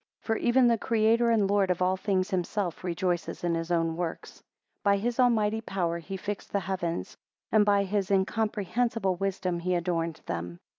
For even the Creator and Lord of all things himself rejoices in his own works. 3 By his Almighty power he fixed the heavens, and by his incomprehensible wisdom he adorned them.